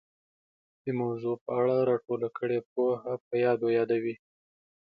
د موضوع په اړه را ټوله کړې پوهه په یادو یادوي